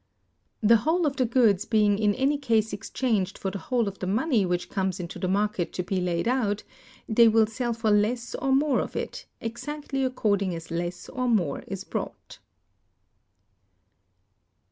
The whole of the goods being in any case exchanged for the whole of the money which comes into the market to be laid out, they will sell for less or more of it, exactly according as less or more is brought.